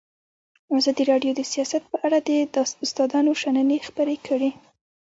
ازادي راډیو د سیاست په اړه د استادانو شننې خپرې کړي.